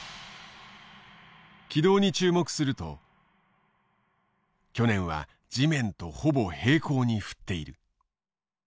軌道に注目すると去年は地面とほぼ平行に振っている。